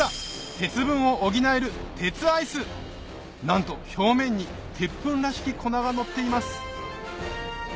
鉄分を補えるなんと表面に鉄粉らしき粉がのっています